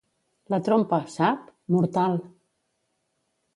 La trompa, sap?, mortal!